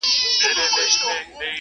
تاسي څرنګه موږ پوه نه کړو چي دام دی